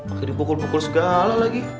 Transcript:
akhirnya pukul pukul segala lagi